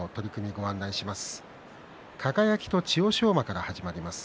ご案内します。